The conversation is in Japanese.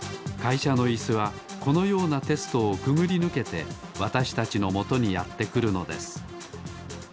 いしゃのイスはこのようなテストをくぐりぬけてわたしたちのもとにやってくるのです。